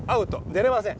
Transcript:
出れません。